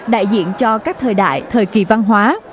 đại diện cho các thời đại thời kỳ văn hóa